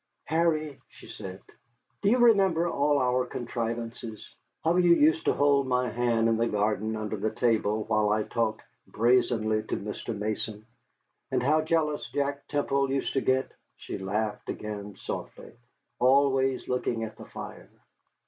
"Harry," she said, "do you remember all our contrivances? How you used to hold my hand in the garden under the table, while I talked brazenly to Mr. Mason? And how jealous Jack Temple used to get?" She laughed again, softly, always looking at the fire.